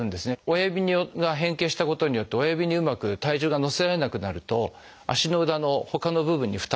親指が変形したことによって親指にうまく体重が乗せられなくなると足の裏のほかの部分に負担がかかる。